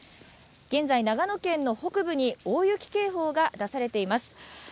現在、長野県の北部に大雪警報が出されています。